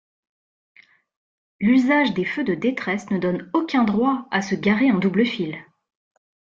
L'usage des feux de détresse ne donne aucun droit à se garer en double-file.